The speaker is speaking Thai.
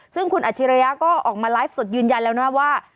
ซึ่งคุณอัจฉริยะก็ออกมาไลฟ์สดยืนยันแล้วนะว่า